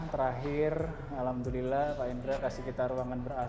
terakhir alhamdulillah pak indra kasih kita ruangan ber ac